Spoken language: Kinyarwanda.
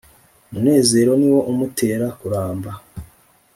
umunezero ni wo umutera kuramba.